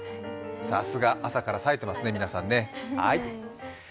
さすが朝から冴えてますね、皆さんね。